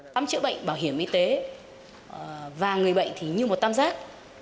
khám chữa bệnh bảo hiểm y tế và người bệnh thì như một tam giác